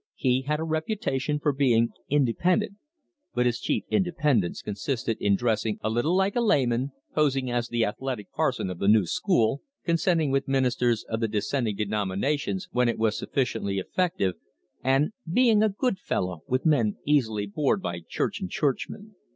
He had a reputation for being "independent," but his chief independence consisted in dressing a little like a layman, posing as the athletic parson of the new school, consorting with ministers of the dissenting denominations when it was sufficiently effective, and being a "good fellow" with men easily bored by church and churchmen.